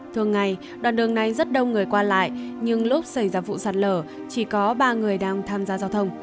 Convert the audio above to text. thường ngày đoạn đường này rất đông người qua lại nhưng lúc xảy ra vụ sạt lở chỉ có ba người đang tham gia giao thông